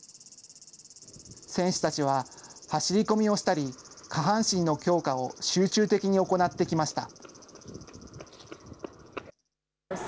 選手たちは走りこみをしたり、下半身の強化を集中的に行ってきました。